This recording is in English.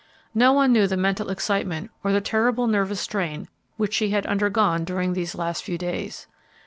No one knew the mental excitement or the terrible nervous strain which she had undergone during those last few days.